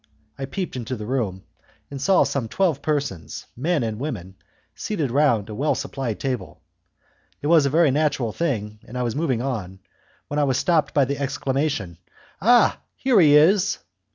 I peeped into the room, and saw some twelve persons, men and women, seated round a well supplied table. It was a very natural thing, and I was moving on, when I was stopped by the exclamation, "Ah, here he is!"